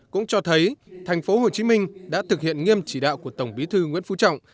cũng cho thấy thành phố hồ chí minh đã thực hiện nghiêm chỉ đạo của tổng bí thư nguyễn phú trọng